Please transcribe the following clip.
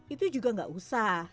itu juga gak usah